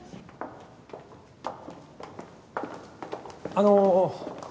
あの。